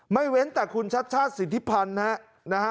ไม่เว้นแต่คุณชัดสิทธิพันธ์นะครับ